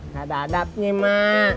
gak ada adabnya mak